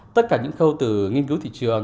tất cả những câu từ nghiên cứu thị trường